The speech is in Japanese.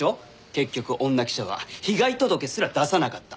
結局女記者は被害届すら出さなかった。